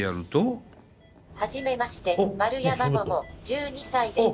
「はじめまして丸山もも１２歳です」。